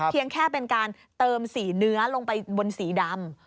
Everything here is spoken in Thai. แค่เป็นการเติมสีเนื้อลงไปบนสีดำ